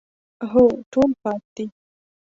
هو، ټول پاک دي